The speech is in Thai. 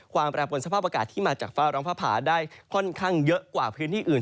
แปรปนสภาพอากาศที่มาจากฟ้าร้องฟ้าผ่าได้ค่อนข้างเยอะกว่าพื้นที่อื่น